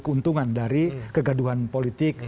keuntungan dari kegaduhan politik